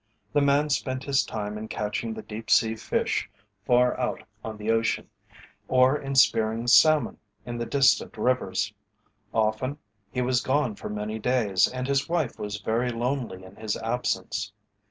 The man spent his time in catching the deep sea fish far out on the ocean, or in spearing salmon in the distant rivers. Often he was gone for many days and his wife was very lonely in his absence.